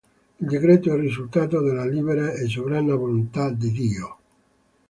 Il decreto è risultato della libera e sovrana volontà di Dio.